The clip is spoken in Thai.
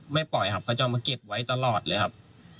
ปล่อยครับเขาจะเอามาเก็บไว้ตลอดเลยครับ